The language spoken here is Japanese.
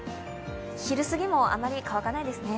昼すぎもあまり乾かないですね。